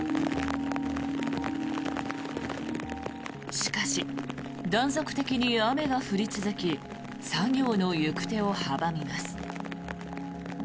しかし断続的に雨が降り続き作業の行く手を阻みます。